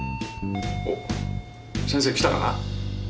おっ先生来たかな。